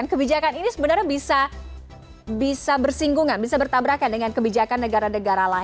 kebijakan ini sebenarnya bisa bersinggungan bisa bertabrakan dengan kebijakan negara negara lain